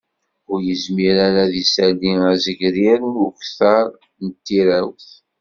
Ur yezmir ara ad d-isali azegrir n ukter n tirawt